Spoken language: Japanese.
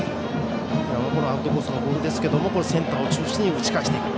アウトコースのボールですけどもセンターを中心に打ち返していく。